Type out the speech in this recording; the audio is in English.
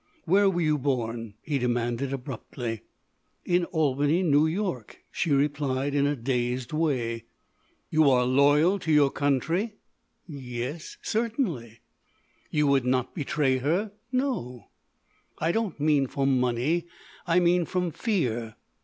"Where were you born?" he demanded abruptly. "In Albany, New York," she replied in a dazed way. "You are loyal to your country?" "Yes—certainly." "You would not betray her?" "No." "I don't mean for money; I mean from fear."